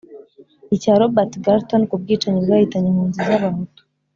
icya robert garreton ku bwicanyi bwahitanye impunzi z'abahutu